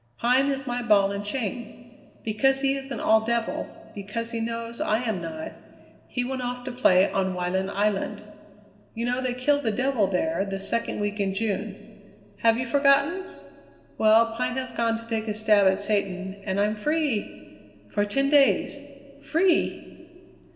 Pine is my ball and chain. Because he isn't all devil, because he knows I am not, he went off to play on Wyland Island. You know they kill the devil there the second week in June. Have you forgotten? Well, Pine has gone to take a stab at satan, and I'm free for ten days. Free!"